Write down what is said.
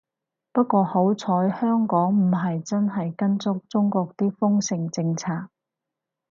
不過好彩香港唔係真係跟足中國啲封城政策